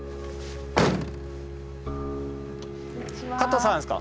加藤さんですか？